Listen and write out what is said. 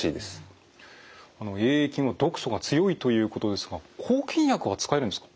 あのＡ．ａ．菌は毒素が強いということですが抗菌薬は使えるんですか？